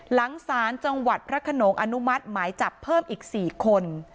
หลังศาลจังหวัดพระขนงอนุมัติหมายจับเพิ่มอีก๔คน